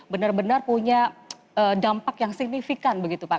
benar benar punya dampak yang signifikan begitu pak